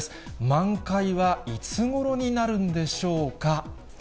満開はいつごろになるんでしょうか。